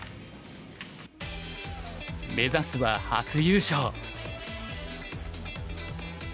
目指すは初優勝。